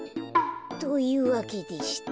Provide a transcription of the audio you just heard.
というわけでして。